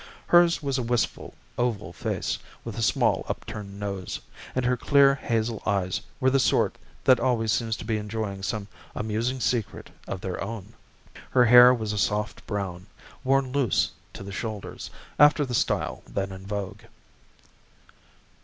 Hers was a wistful, oval face, with a small, upturned nose; and her clear hazel eyes were the sort that always seem to be enjoying some amusing secret of their own. Her hair was a soft brown, worn loose to the shoulders, after the style then in vogue.